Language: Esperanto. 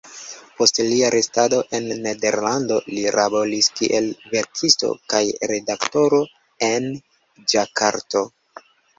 Post lia restado en Nederlando li laboris kiel verkisto kaj redaktoro en Ĝakarto.